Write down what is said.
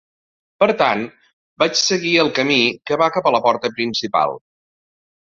Per tant, vaig seguir el camí que va cap a la porta principal.